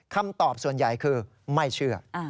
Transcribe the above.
คำตอบส่วนใหญ่คือไม่เชื่อ